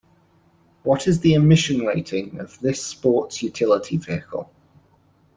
What is the emission rating of this sports utility vehicle?